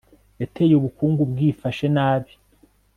yateye ubukungu bwifashe nabi